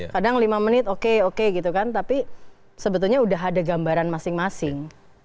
kadang lima menit oke oke gitu kan tapi sebetulnya udah ada gambaran masing masing